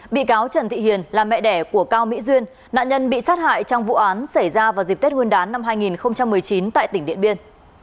bị cáo trần thị hiền là mẹ đẻ của cao mỹ duyên nạn nhân bị sát hại trong vụ án xảy ra vào dịp tết nguyên đán năm hai nghìn một mươi chín tại tỉnh điện biên